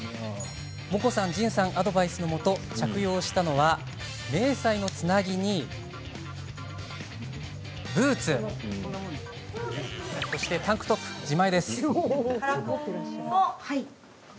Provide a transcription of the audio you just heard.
もこさん、じんさんアドバイスのもと着用したのは迷彩のつなぎにブーツそしてタンクトップです。